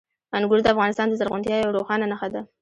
انګور د افغانستان د زرغونتیا یوه روښانه نښه ده.